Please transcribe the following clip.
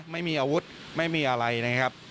ไม่มีอาวุธไม่มีอะไรนะครับ